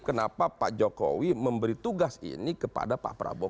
kenapa pak jokowi memberi tugas ini kepada pak prabowo